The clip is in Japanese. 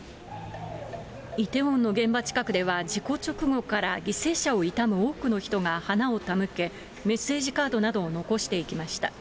イテウォンの現場近くでは、事故直後から犠牲者を悼む多くの人が花を手向け、メッセージカードなどを残していきました。